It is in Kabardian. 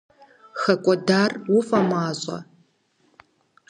ХэкӀуэдар уфӀэмащӀэ?